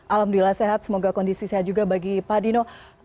alhamdulillah sehat semoga kondisi sehat juga bagi pak dino